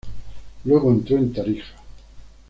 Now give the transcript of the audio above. Luego entró en Tarija.